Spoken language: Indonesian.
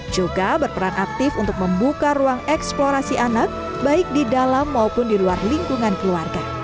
juga berperan aktif untuk membuka ruang eksplorasi anak baik di dalam maupun di luar lingkungan keluarga